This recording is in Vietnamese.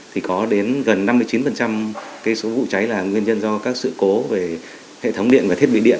thì có đến gần năm mươi chín số vụ cháy là nguyên nhân do các sự cố về hệ thống điện và thiết bị điện